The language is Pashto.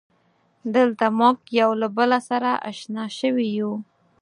دلته مونږ یو له بله سره اشنا شوي یو.